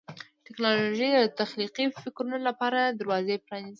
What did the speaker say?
ټیکنالوژي د تخلیقي فکرونو لپاره دروازې پرانیزي.